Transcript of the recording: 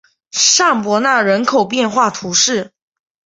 尚博纳人口变化图示